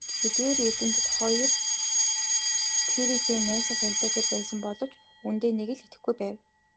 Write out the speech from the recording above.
Эдгээр эрдэмтэд хоёр Кюретэй найрсаг харилцаатай байсан боловч үнэндээ нэг л итгэхгүй байв.